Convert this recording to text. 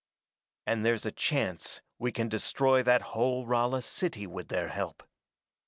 "And there's a chance we can destroy that whole Rala city with their help.